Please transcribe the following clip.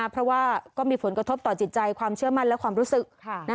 เพราะว่าก็มีผลกระทบต่อจิตใจความเชื่อมั่นและความรู้สึก